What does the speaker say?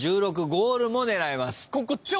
１６ゴールも狙えます。